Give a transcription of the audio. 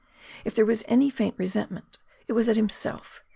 If there was any faint resentment, it was at himself.